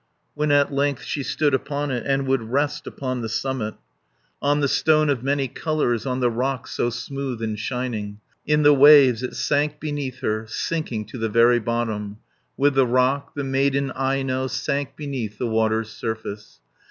When at length she stood upon it, And would rest upon the summit, 320 On the stone of many colours, On the rock so smooth and shining, In the waves it sank beneath her, Sinking to the very bottom. With the rock, the maiden Aino Sank beneath the water's surface.